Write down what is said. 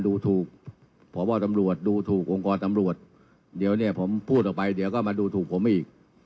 ดูถูกพบตำรวจดูถูกองค์กรตำรวจเดี๋ยวเนี่ยผมพูดออกไปเดี๋ยวก็มาดูถูกผมอีก